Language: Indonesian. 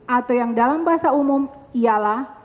atau yang dalam bahasa umum ialah